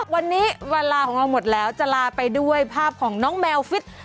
วันนี้เวลาของเราหมดแล้วจะลาไปด้วยภาพของน้องแมวฟิต